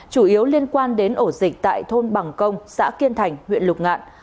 chủ yếu liên quan đến ổ dịch tại thôn bằng công xã kiên thành huyện lục ngạn